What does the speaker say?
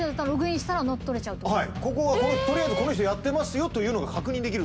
取りあえずこの人やってますというのが確認できる。